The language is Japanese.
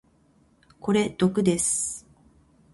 これ毒です。